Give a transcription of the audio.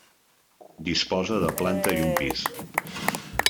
Disposa de planta i un pis.